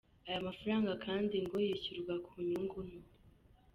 Aya mafaranga kandi ngo yishyurwa ku nyungu nto .